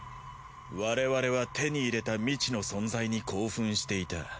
我々は手に入れた未知の存在に興奮していた。